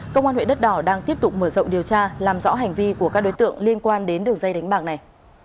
công an huyện đất đỏ đang tiếp tục mở rộng điều tra làm rõ hành vi của các đối tượng liên quan đến đường dây đánh bạc này